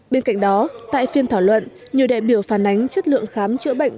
bên cạnh đó tại phiên thảo luận nhiều đại biểu phản ánh chất lượng khám chữa bệnh